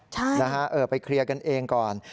ใช่นะฮะเออไปเคลียร์กันเองก่อน